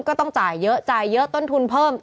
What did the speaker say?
ก็ต้องจ่ายเยอะจ่ายเยอะต้นทุนเพิ่ม